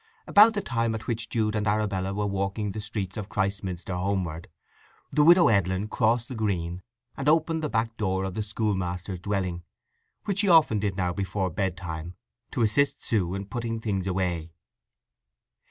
About the time at which Jude and Arabella were walking the streets of Christminster homeward, the Widow Edlin crossed the green, and opened the back door of the schoolmaster's dwelling, which she often did now before bedtime, to assist Sue in putting things away.